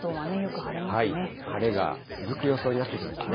晴れが続く予想になってきましたね。